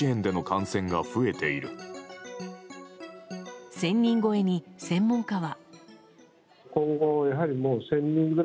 １０００人超えに専門家は。